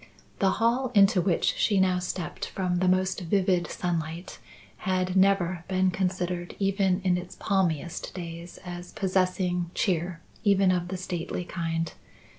The hall into which she now stepped from the most vivid sunlight had never been considered even in its palmiest days as possessing cheer even of the stately kind.